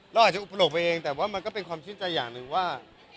เราอาจจะอุปโลกไปเองแต่ว่ามันก็เป็นความชื่นใจอย่างหนึ่งว่า